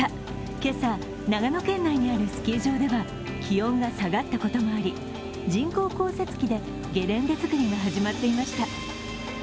今朝、長野県内にあるスキー場では気温が下がったこともあり人工降雪機でゲレンデ造りが始まっていました。